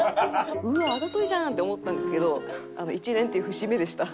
うわあざといじゃんって思ったんですけど１年っていう節目でした。